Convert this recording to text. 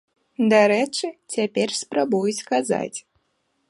Дарэчы, цяпер спрабуюць казаць.